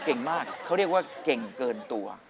เก่งมากเขาเรียกว่าเก่งเกินตัว